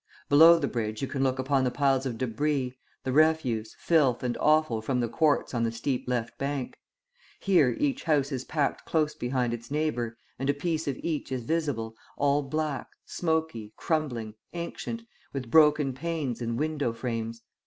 Below the bridge you look upon the piles of debris, the refuse, filth, and offal from the courts on the steep left bank; here each house is packed close behind its neighbour and a piece of each is visible, all black, smoky, crumbling, ancient, with broken panes and window frames.